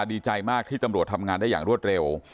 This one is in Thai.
ดีใจมากที่ตำรวจทำงานได้อย่างรวดเร็ว